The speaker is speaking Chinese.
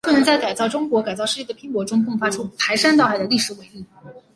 就能在改造中国、改造世界的拼搏中，迸发出排山倒海的历史伟力。